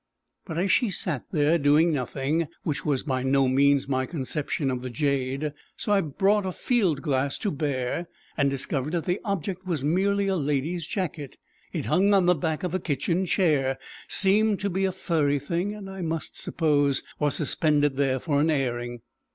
But she sat there doing nothing, which was by no means my conception of the jade, so I brought a fieldglass to bear and discovered that the object was merely a lady's jacket. It hung on the back of a kitchen chair, seemed to be a furry thing, and, I must suppose, was suspended there for an airing.